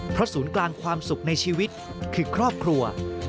เพราะศูนย์กลางความสุขในชีวิตคือครอบครัว